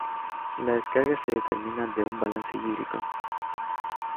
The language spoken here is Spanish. La descarga se determina de un balance hídrico.